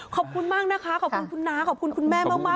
ขอบคุณมากนะคะขอบคุณคุณน้าขอบคุณคุณแม่มาก